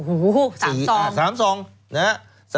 โอ้โห๓ซองสามซอง